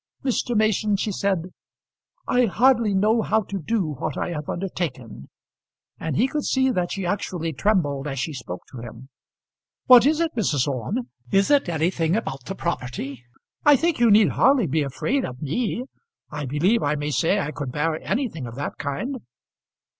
"Mr. Mason," she said, "I hardly know how to do what I have undertaken." And he could see that she actually trembled as she spoke to him. "What is it, Mrs. Orme? Is it anything about the property? I think you need hardly be afraid of me. I believe I may say I could bear anything of that kind."